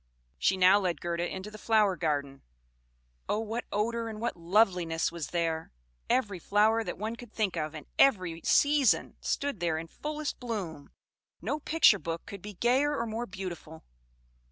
She now led Gerda into the flower garden. Oh, what odour and what loveliness was there! Every flower that one could think of, and of every season, stood there in fullest bloom; no picture book could be gayer or more beautiful.